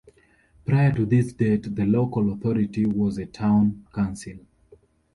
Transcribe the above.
Prior to this date the local authority was a town council.